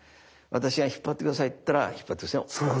私が「引っ張って下さい」って言ったら引っ張って下さい。